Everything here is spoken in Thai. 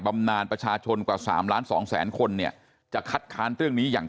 บำนานประชาชนกว่า๓ล้าน๒แสนคนเนี่ยจะคัดค้านเรื่องนี้อย่าง